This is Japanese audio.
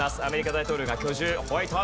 アメリカ大統領が居住。